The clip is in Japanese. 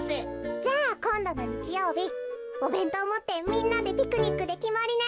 じゃあこんどのにちようびおべんとうをもってみんなでピクニックできまりね。